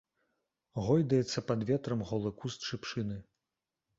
Гойдаецца пад ветрам голы куст шыпшыны.